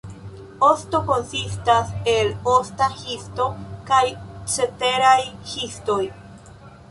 Osto konsistas el osta histo kaj ceteraj histoj.